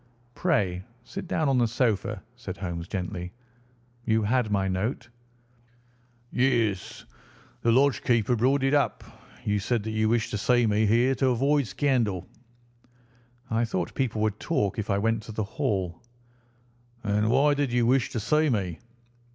"Pray sit down on the sofa," said Holmes gently. "You had my note?" "Yes, the lodge keeper brought it up. You said that you wished to see me here to avoid scandal." "I thought people would talk if I went to the Hall." "And why did you wish to see me?"